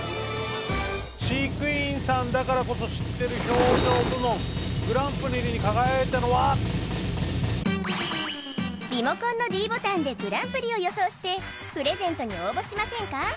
飼育員さんだからこそ知ってる表情部門グランプリに輝いたのはリモコンのｄボタンでグランプリを予想してプレゼントに応募しませんか？